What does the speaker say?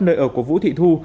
nơi ở của vũ thị thu